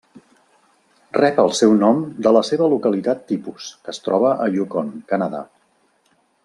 Rep el seu nom de la seva localitat tipus, que es troba a Yukon, Canadà.